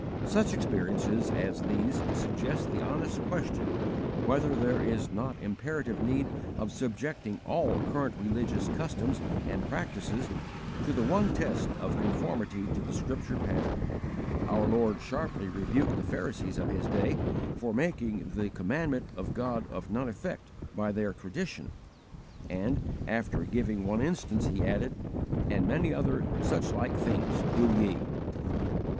Such experiences as these suggest the honest question whether there is not imperative need of subjecting all current religious customs and practices to the one test of conformity to the scripture pattern. Our Lord sharply rebuked the Pharisees of His day for making "the commandment of God of none effect by their tradition," and, after giving one instance, He added, "and many other such like things do ye."